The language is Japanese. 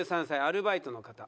２３歳アルバイトの方。